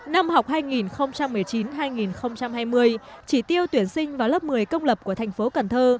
năm học hai nghìn một mươi chín hai nghìn hai mươi chỉ tiêu tuyển sinh vào lớp một mươi công lập của thành phố cần thơ